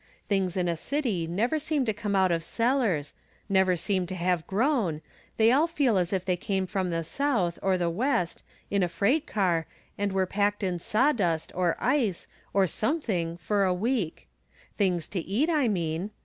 Things in a city never seem to come out of cellars ; never seem to have grown ; they aU feel as if they came from the South, or the West, in a freight car, and were packed in sawdust, or ice, or something, for a week. Things to eat, I mean.